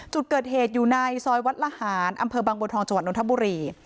จุดเกิดเหตุอยู่ในซอยวัดละหารอำเภอบางบัวทองจังหวัดนทบุรี